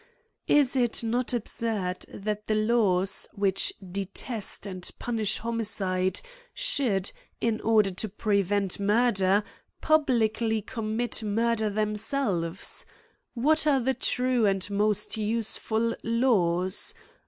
Is it not absurd, that the laws, which CRIMES AND PUNISHMENTS. 105 detest and punish homicide, should, in order to prevent murder, publicly commit murder them selves ? What are the true and most useful laws